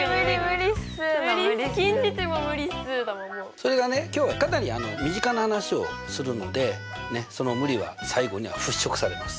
それがね今日はかなり身近な話をするのでその無理は最後には払拭されます。